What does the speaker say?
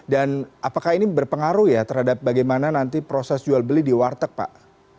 dan apakah ini berpengaruh ya terhadap bagaimana nanti proses jual beli di warteg pak